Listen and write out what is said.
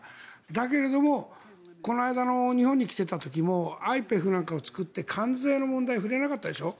だけれどもこの間の日本に来ていた時もＩＰＥＦなんかを作って関税の問題には触れなかったでしょ。